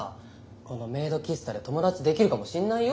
このメイド喫茶で友達できるかもしんないよ。